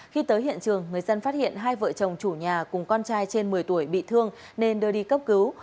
khi tới hiện trường người dân phát hiện hai vợ chồng chủ nhà cùng con trai trên một mươi tuổi bị thương nên đưa đi cấp cứu